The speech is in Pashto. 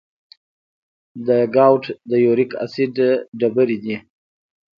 د ګاؤټ د یوریک اسید ډبرې دي.